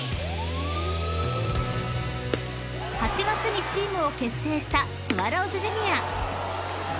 ［８月にチームを結成したスワローズジュニア］